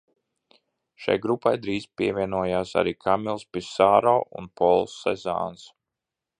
Šai grupai drīz pievienojās arī Kamils Pisaro un Pols Sezans.